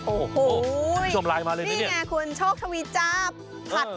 โอ้โฮนี่ไงคุณโชคทวีทจ้าผัดผัวมาเลยนี่